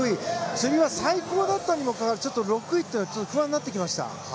つり輪最高だったにもかかわらずちょっと６位というのは不安になってきました。